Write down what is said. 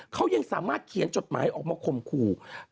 เขายังสามารถเขียนจดหมายออกมาข่มขู่